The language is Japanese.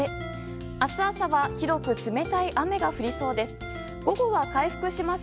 明日朝は広く冷たい雨が降りそうです。